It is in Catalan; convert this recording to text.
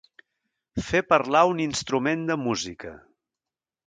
Fer parlar un instrument de música.